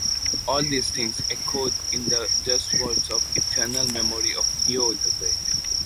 All these things echoed in the just words of eternal memory of Leo the Great.